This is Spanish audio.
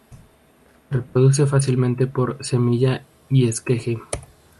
Se reproduce fácilmente por semilla y esqueje.